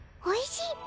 おいしい。